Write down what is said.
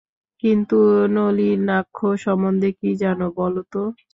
কিন্তু নলিনাক্ষ সম্বন্ধে কী জান, বলো তো।